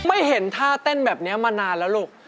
ไม่เห็นท่าเต้นแบบนี้มานานแล้วลูก